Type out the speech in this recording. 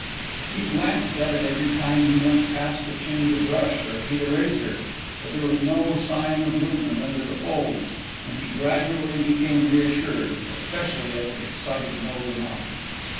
He glanced at it every time he went past to change a brush or heat a razor, but there was no sign of movement under the folds, and he gradually became reassured, especially as it excited no remark.